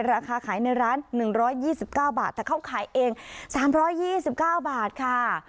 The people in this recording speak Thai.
ราคาขายในร้าน๑๒๙บาทแต่เขาขายเอง๓๒๙บาทค่ะ